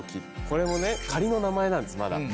これもね仮の名前なんですまだ。